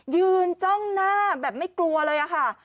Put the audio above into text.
จ้องหน้าแบบไม่กลัวเลยค่ะ